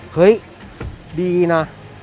เฮ้ยดีนะ